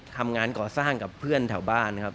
ทำงานก่อสร้างกับเพื่อนแถวบ้านครับ